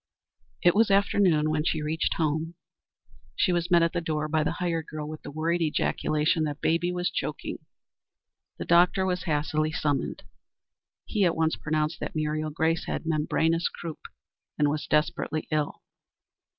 It was after noon when she reached home. She was met at the door by the hired girl with the worried ejaculation that baby was choking. The doctor was hastily summoned. He at once pronounced that Muriel Grace had membranous croup, and was desperately ill.